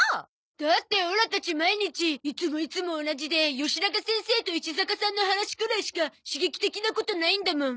だってオラたち毎日いつもいつも同じでよしなが先生と石坂さんの話くらいしか刺激的なことないんだもん。